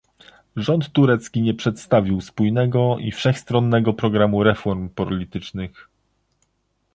Rząd turecki nie przedstawił spójnego i wszechstronnego programu reform politycznych